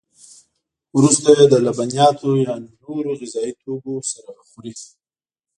وروسته یې د لبنیاتو یا نورو غذایي توکو سره خوري.